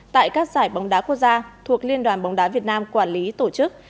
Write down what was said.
tại các giải bóng đá quốc gia thuộc liên đoàn bóng đá việt nam quản lý tổ chức